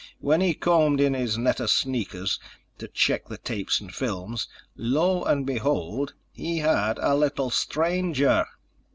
When he combed in his net of sneakers to check the tapes and films, lo and behold, he had a little stranger."